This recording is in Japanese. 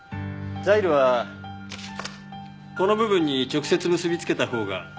ザイルはこの部分に直接結びつけたほうが安全なんです。